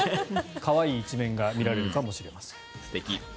可愛い一面が見られるかもしれません。